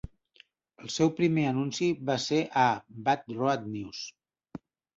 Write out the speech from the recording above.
El seu primer anunci va ser a "Bath Road News".